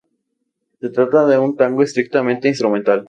Se trata de un tango estrictamente instrumental.